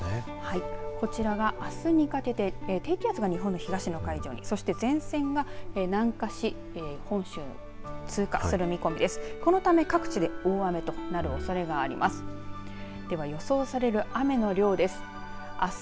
こちらが、あすにかけて低気圧が日本の東の海上にそして前線が南下し、本州を通過する見込みです。